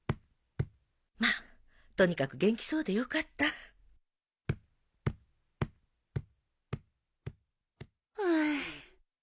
まっとにかく元気そうでよかったハァ。